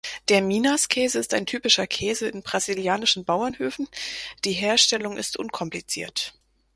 Der Minas-Käse ist ein typischer Käse in brasilianischen Bauernhöfen, die Herstellung ist unkompliziert.